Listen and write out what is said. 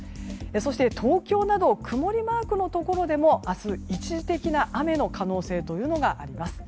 そして東京など曇りマークのところでも明日、一時的な雨の可能性があります。